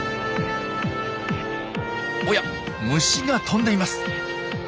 おや虫が飛んでいます。